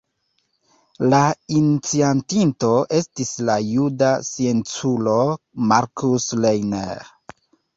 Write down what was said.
La iniciatinto estis la juda scienculo Markus Reiner.